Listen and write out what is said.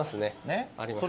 ありますね。